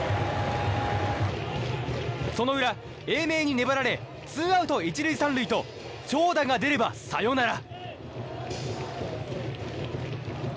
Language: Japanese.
その裏、英明に粘られツーアウト１塁３塁と長打が出ればサヨナラ。